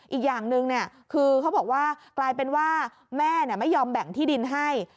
อีกอย่างหนึ่งคือเขาบอกว่ากลายเป็นว่าแม่ไม่ยอมแบ่งที่ดินให้